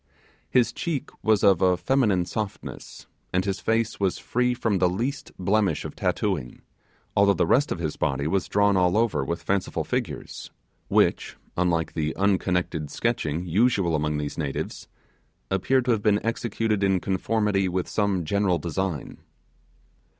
His cheek was of a feminine softness, and his face was free from the least blemish of tattooing, although the rest of his body was drawn all over with fanciful figures, which unlike the unconnected sketching usual among these natives appeared to have been executed in conformity with some general design.